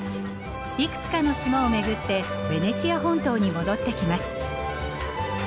いくつかの島を巡ってベネチア本島に戻ってきます。